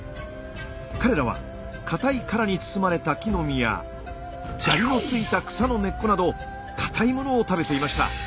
彼らはかたい殻に包まれた木の実や砂利の付いた草の根っこなどかたいものを食べていました。